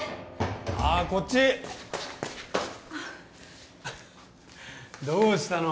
あっこっちあっどうしたの？